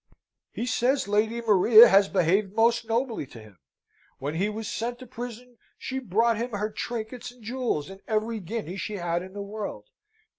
"He says Lady Maria has behaved most nobly to him. When he was sent to prison, she brought him her trinkets and jewels, and every guinea she had in the world.